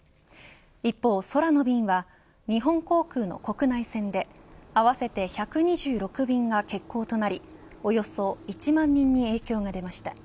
一方、空の便は日本航空の国内線で合わせて１２６便が欠航となりおよそ１万人に影響が出ました。